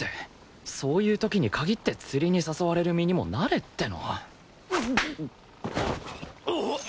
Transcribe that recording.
そういう時に限って釣りに誘われる身にもなれってのうっ！